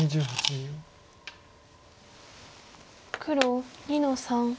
黒２の三。